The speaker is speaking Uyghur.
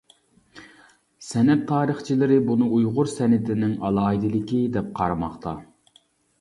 سەنئەت تارىخچىلىرى بۇنى ئۇيغۇر سەنئىتىنىڭ ئالاھىدىلىكى دەپ قارىماقتا.